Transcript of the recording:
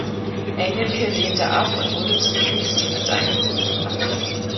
Engelke lehnte ab und wurde zum Kriegsdienst einberufen.